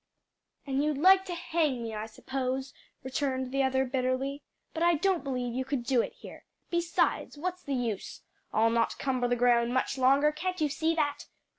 "And you'd like to hang me, I suppose," returned the other bitterly. "But I don't believe you could do it here. Beside, what's the use? I'll not cumber the ground much longer, can't you see that?